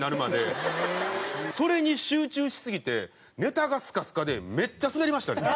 それに集中しすぎてネタがスカスカでめっちゃスベりましたよね。